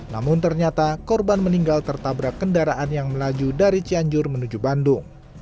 namun ternyata korban meninggal tertabrak kendaraan yang melaju dari cianjur menuju bandung